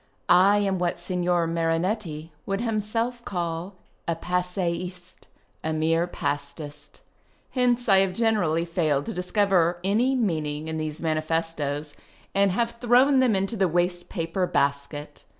I am what Signor Marinetti would himself call a Passeiste, a mere Pastist. Hence I have generally failed to discover any meaning in these manifestos, and have thrown them into the waste paper basket.